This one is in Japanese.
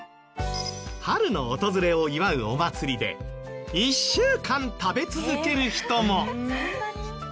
春の訪れを祝うお祭りで１週間食べ続ける人も。